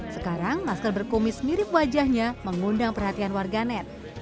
sekarang masker berkumis mirip wajahnya mengundang perhatian warga net